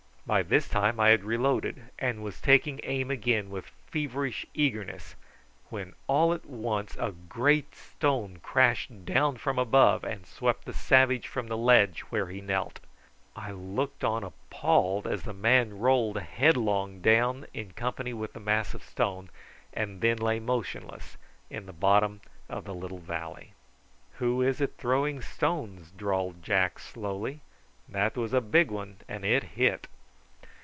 By this time I had reloaded and was taking aim again with feverish eagerness, when all at once a great stone crashed down from above and swept the savage from the ledge where he knelt. I looked on appalled as the man rolled headlong down in company with the mass of stone, and then lay motionless in the bottom of the little valley. "Who is it throwing stones?" drawled Jack slowly. "That was a big one, and it hit."